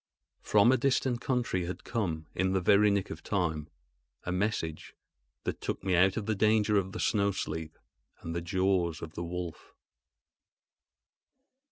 From a distant country had come, in the very nick of time, a message that took me out of the danger of the snow sleep and the jaws of the wolf.